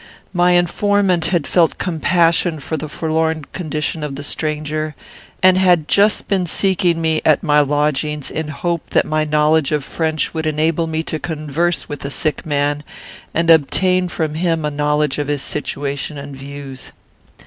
"My informant had felt compassion for the forlorn condition of the stranger, and had just been seeking me at my lodgings, in hope that my knowledge of French would enable me to converse with the sick man, and obtain from him a knowledge of his situation and views.